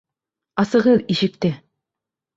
Асығыҙ ишекте!